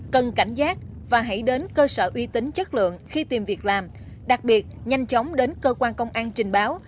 cần cảnh giác và hãy đến cơ sở uy tín chất lượng khi tìm việc làm đặc biệt nhanh chóng đến cơ quan công an trình báo